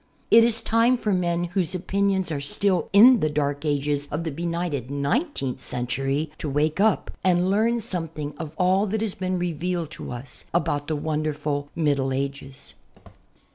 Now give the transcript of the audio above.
It is time for men whose opinions are still in the dark ages of the benighted nineteenth century to wake up and learn something of all that has been revealed to us about the wonderful Middle Ages.